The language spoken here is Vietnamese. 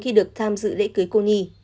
khi được tham dự lễ cưới cô nhi